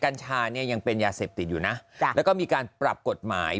กัญชาเนี่ยยังเป็นยาเสพติดอยู่นะจ้ะแล้วก็มีการปรับกฎหมาย